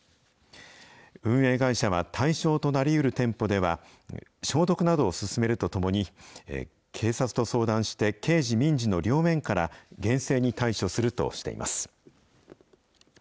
運営会社は対象となりうる店舗では、消毒などを進めるとともに、警察と相談して刑事・民事の両面から厳正に対処するとしています。